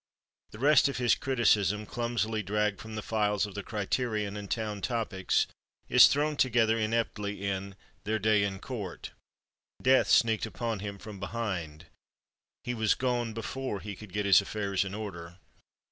The rest of his criticism, clumsily dragged from the files of the Criterion and Town Topics, is thrown together ineptly in "Their Day in Court." Death sneaked upon him from behind; he was gone before he could get his affairs in order.